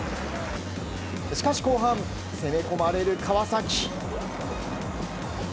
しかし後半、攻め込まれる川崎。